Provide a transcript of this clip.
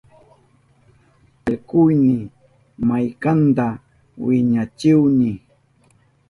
Allkuyni maykanta wiñachihuni.